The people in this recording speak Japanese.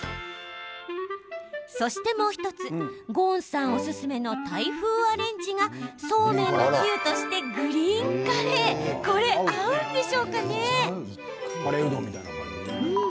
そして、もう１つゴーンさんおすすめのタイ風アレンジがそうめんのつゆとしてグリーンカレー？合うのかな？